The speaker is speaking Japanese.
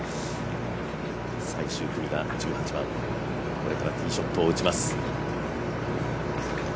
最終組が１８番、これからティーショットを打ちます。